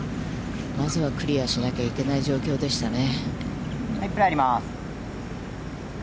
まずはクリアしなきゃいけない状況でしたね。